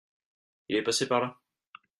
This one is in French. il est passé par là.